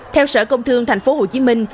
theo sở công thương thành phố hồ chí minh